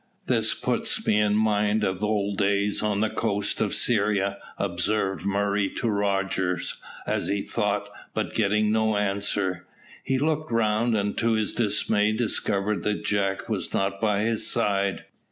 "This puts me in mind of old days on the coast of Syria," observed Murray to Rogers as he thought; but getting no answer, he looked round, and to his dismay discovered that Jack was not by his side.